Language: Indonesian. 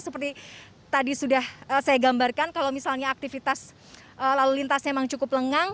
seperti tadi sudah saya gambarkan kalau misalnya aktivitas lalu lintasnya memang cukup lengang